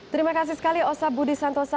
terima kasih sekali osa budi santosa